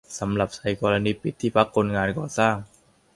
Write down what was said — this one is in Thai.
สำหรับไทย หลังกรณีปิดที่พักคนงานก่อสร้าง